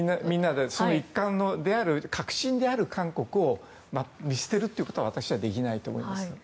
その一環である核心である韓国を見捨てることは私はできないと思います。